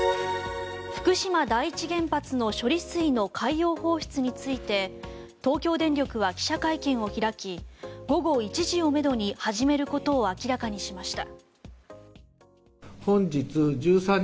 福島第一原発の処理水の海洋放出について東京電力は記者会見を開き午後１時をめどに始めることを明らかにしました。